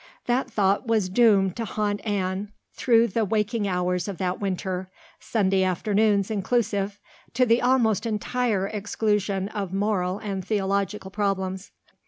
That thought was doomed to haunt Anne through the waking hours of that winter, Sunday afternoons inclusive, to the almost entire exclusion of moral and theological problems.